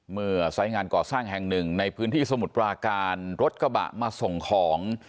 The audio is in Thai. เมื่อสายงานก่อสร้างแห่ง๑ในพื้นที่สมุดปลาการรถกระบะมาส่งของ